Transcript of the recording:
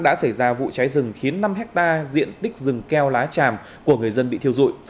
đã xảy ra vụ cháy rừng khiến năm hectare diện tích rừng keo lá tràm của người dân bị thiêu dụi